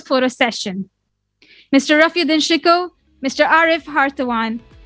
pak raffiuddin syiko pak arif hartawan